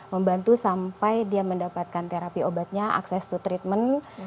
membantu sampai dia mendapatkan terapi obatnya akses to treatment